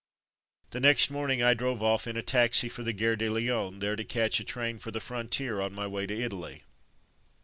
The next morning I drove off in a taxi for the Gare de Lyons, there to catch a train for the frontier on my w ay to Italy.